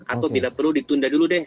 atau tidak perlu ditunda dulu deh